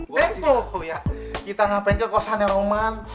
oh ya kita ngapain ke kosannya roman